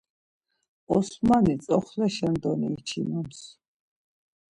Osmani tzoxleşen doni içinoms.